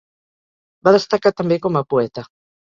Va destacar també com a poeta.